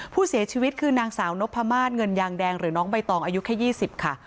ผู้เสียชีวิตคือนางสาวนพมาศเงินยางแดงหรือน้องใบตองอายุแค่๒๐ค่ะ